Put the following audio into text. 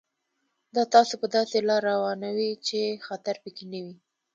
دا تاسو په داسې لار روانوي چې خطر پکې نه وي.